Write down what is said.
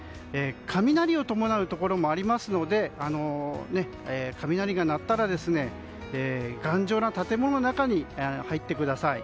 雷を伴うところもありますので雷が鳴ったら、頑丈な建物の中に入ってください。